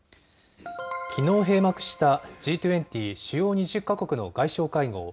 きのう閉幕したＧ２０・主要２０か国の外相会合。